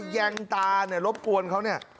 แยงตาเนี่ยรบกวนเขาเนี่ย